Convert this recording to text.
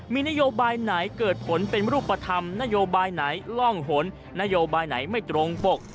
มีนโยบายไหนเกิดผลเป็นรูปธรรมนโยบายไหนล่องหนนโยบายไหนไม่ตรงปก